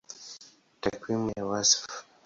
Takwimu ya Wasifu